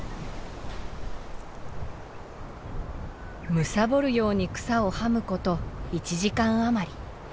むさぼるように草をはむこと１時間余り。